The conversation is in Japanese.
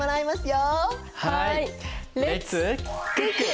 はい。